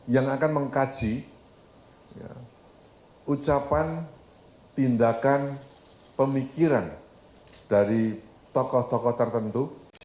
yang akan mengkaji ucapan tindakan pemikiran dari tokoh tokoh tertentu